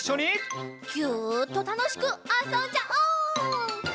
ギュッとたのしくあそんじゃおう。